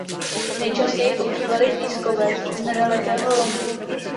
Nejčastěji používali pískovec z nedalekého lomu.